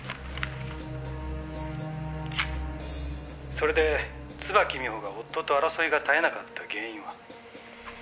「それで椿美穂が夫と争いが絶えなかった原因は？」